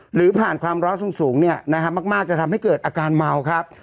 หรือผ่านความร้อนสูงเนี่ยนะฮะมากจะทำให้เกิดอาการเมาครับ